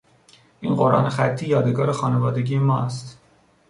این قرآن خطی یادگار خانوادگی ما است.